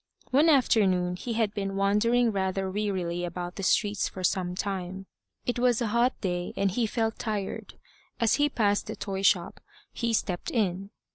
One afternoon he had been wandering rather wearily about the streets for some time. It was a hot day, and he felt tired. As he passed the toyshop, he stepped in.